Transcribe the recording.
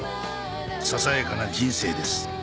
ささやかな人生です。